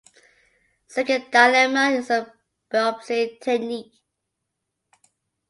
Second dilemma is the biopsy technique.